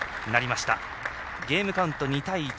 ゲームカウント２対１。